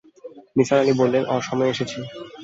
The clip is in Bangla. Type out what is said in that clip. নিসার আলি বললেন, অসময়ে এসেছি।